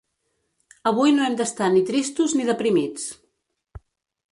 Avui no hem d’estar ni tristos ni deprimits.